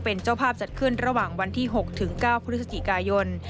เป็นเจ้าภาพจัดขึ้นระหว่างวันที่๖๙พฤศจิกายน